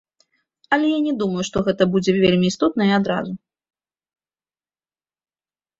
Але я не думаю, што гэта будзе вельмі істотна і адразу.